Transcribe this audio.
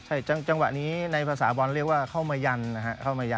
ใช่จังหวะนี้ในภาษาบอลเรียกว่าเข้ามายันนะฮะเข้ามายัน